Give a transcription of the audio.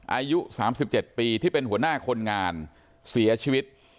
อายุ๓๗ปีที่เป็นหัวหน้าคนงานเสียชีวิต